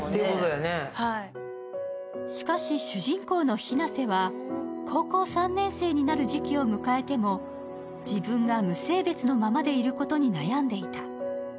しかし主人公のひなせは高校３年生になる時期を迎えても自分が無性別のままでいることに悩んでいた。